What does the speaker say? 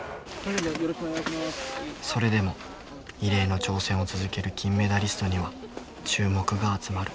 それでも異例の挑戦を続ける金メダリストには注目が集まる。